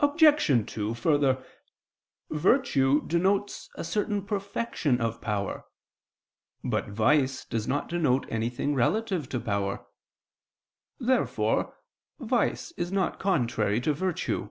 Obj. 2: Further, virtue denotes a certain perfection of power. But vice does not denote anything relative to power. Therefore vice is not contrary to virtue.